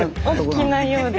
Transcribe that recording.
お好きなようで。